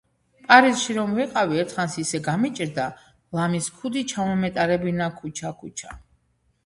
პარიზში რომ ვიყავი, ერთხანს ისე გამიჭირდა, ლამის ქუდი ჩამომეტარებინა ქუჩა-ქუჩა.